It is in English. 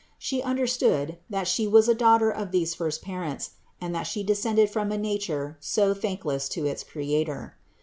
She understood, that She was a daughter of these first parents and that She descended from a nature so thankless to its Creator.